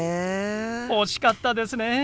惜しかったですね。